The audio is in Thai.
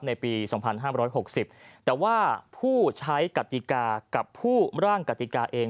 ในปี๒๕๖๐แต่ว่าผู้ใช้กติกากับผู้ร่างกติกาเอง